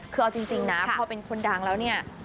คือเอาจริงนะพอเป็นคนดังแล้วเนี่ย